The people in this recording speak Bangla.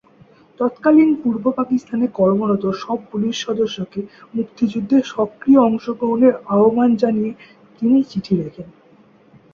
তৎকালীন পূর্ব পাকিস্তানে কর্মরত সব পুলিশ সদস্যকে মুক্তিযুদ্ধে সক্রিয় অংশগ্রহণের আহবান জানিয়ে তিনি চিঠি লেখেন।